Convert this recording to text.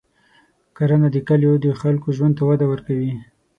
کرنه د کلیو د خلکو ژوند ته وده ورکوي.